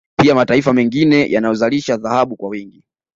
Pia mataifa mengine yanayozalisha dhahabu kwa wingi